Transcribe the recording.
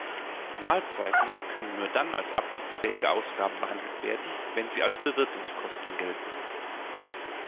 Mahlzeiten können nur dann als abzugsfähige Ausgaben behandelt werden, wenn sie als Bewirtungskosten gelten.